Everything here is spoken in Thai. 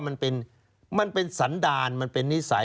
มันเป็นสันดานมันเป็นนิสัย